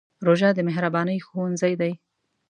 روژه د مهربانۍ ښوونځی دی.